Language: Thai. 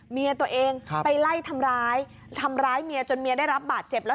เมียตัวเองไปไล่ทำร้ายทำร้ายเมียจนเมียได้รับบาดเจ็บแล้ว